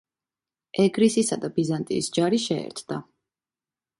ეგრისისა და ბიზანტიის ჯარი შეერთდა.